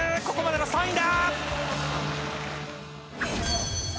ここまでで３位だ！